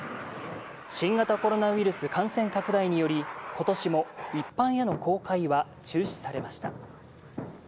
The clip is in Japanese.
新型コロナウイルス感染拡大により、ことしも一般への公開は中止されました。